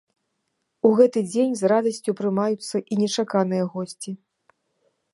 У гэты дзень з радасцю прымаюцца і нечаканыя госці.